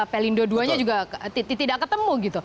pelindo dua nya juga tidak ketemu gitu